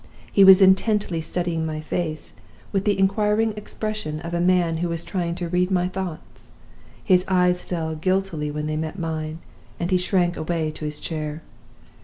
He was intently studying my face, with the inquiring expression of a man who was trying to read my thoughts. His eyes fell guiltily when they met mine, and he shrank away to his chair.